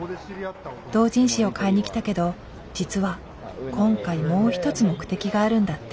同人誌を買いに来たけど実は今回もう一つ目的があるんだって。